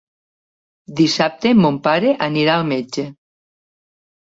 Dissabte mon pare anirà al metge.